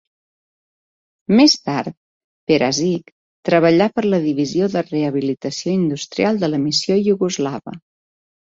Més tard, Perazich treballà per la divisió de rehabilitació industrial de la missió iugoslava.